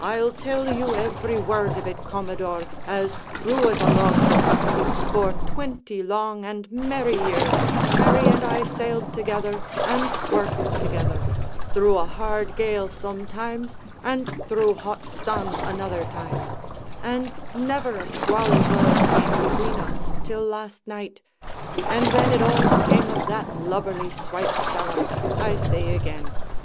"I'll tell you every word of it, commodore, as true as a log book. For twenty long and merry years, Harry and I sailed together, and worked together, thro' a hard gale sometimes, and thro' hot sun another time; and never a squally word came between us till last night, and then it all came of that lubberly swipes seller, I say again.